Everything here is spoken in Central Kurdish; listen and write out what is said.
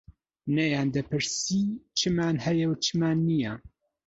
نەیان دەپرسی چمان هەیە و چمان نییە